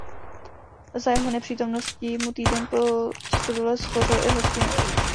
Za jeho nepřítomnosti mu týden po stodole shořel i hostinec.